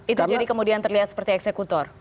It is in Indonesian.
itu jadi kemudian terlihat seperti eksekutor